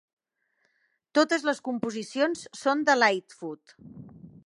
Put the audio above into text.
Totes les composicions són de Lightfoot.